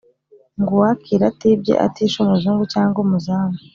ngo uwakira atibye atishe umuzungu cyangwa umuzamu